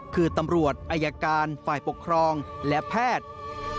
คือตำรวจอายการฝ่ายปกครองและแพทย์